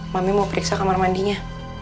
mami mau periksa kamar mandinya